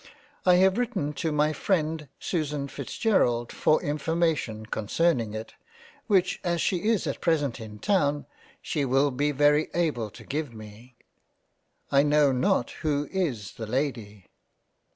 I have written to my freind Susan Fitz gerald, for information concerning it, which as she is at present in Town, she will be very able to give me. I know not who is the Lady.